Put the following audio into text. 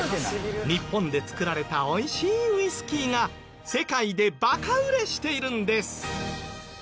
日本で造られた美味しいウイスキーが世界でバカ売れしているんです。